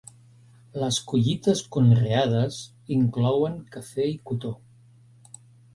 Les collites conreades inclouen cafè i cotó.